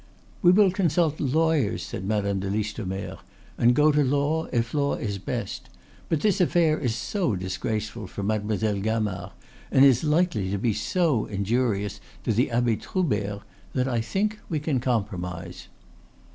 "We will consult lawyers," said Madame de Listomere, "and go to law if law is best. But this affair is so disgraceful for Mademoiselle Gamard, and is likely to be so injurious to the Abbe Troubert, that I think we can compromise."